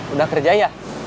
udah kerja ya